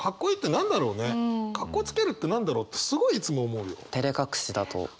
カッコつけるって何だろうってすごいいつも思うよ。